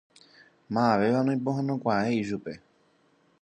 Mavavéva noipohãnokuaái ichupe.